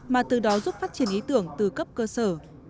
mà từ đó giúp phát triển ý tưởng từ cấp cơ sở